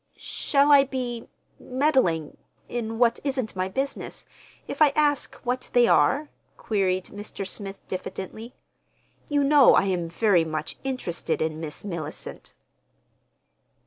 "Shall I be—meddling in what isn't my business, if I ask what they are?" queried Mr. Smith diffidently. "You know I am very much interested in—Miss Mellicent."